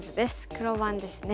黒番ですね。